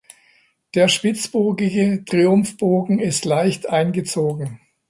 Der spitzbogige Triumphbogen ist leicht eingezogen.